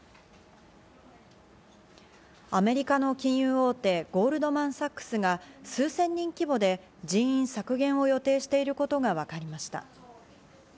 アメリカの金融大手ゴールドマン・サックスが数千人規模で人員削減を予定していることがわかりました。